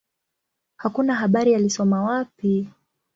Hakuna habari alisoma wapi.